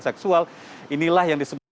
seksual inilah yang disebut